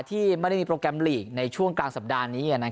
ที่ไม่ได้มีโปรแกรมลีกในช่วงกลางสัปดาห์นี้